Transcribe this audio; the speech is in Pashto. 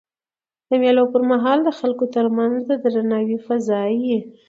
د مېلو پر مهال د خلکو ترمنځ د درناوي فضا يي.